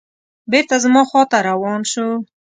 بېرته زما خواته روان شو.